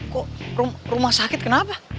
kok rumah sakit kenapa